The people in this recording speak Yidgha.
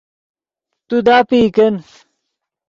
تو داپئی کن